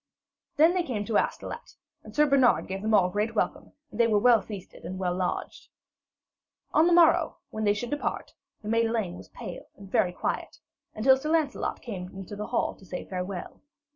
Then they came to Astolat, and Sir Bernard gave them all great welcome, and they were well feasted and well lodged. On the morrow, when they should depart, the maid Elaine was pale and very quiet, until Sir Lancelot came into the hall to say farewell.